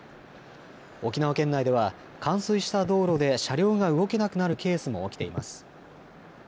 沖縄県内では冠水した道路で車両が動けなくなるケースも起きています。